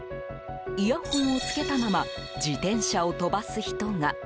イヤホンをつけたまま自転車を飛ばす人が。